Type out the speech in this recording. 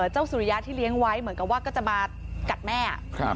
สุริยะที่เลี้ยงไว้เหมือนกับว่าก็จะมากัดแม่